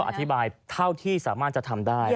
อธิบายเท่าที่สามารถจะทำได้